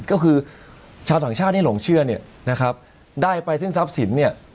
ก็คือชาวต่างชาติที่หลงเชื่อเนี่ยนะครับได้ไปซึ่งทรัพย์สินเนี่ย